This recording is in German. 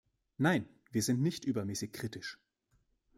Nein, wir sind nicht übermäßig kritisch.